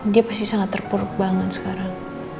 dia pasti sangat terpuruk banget sekarang